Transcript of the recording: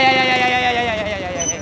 jangan kurang minta tellu saya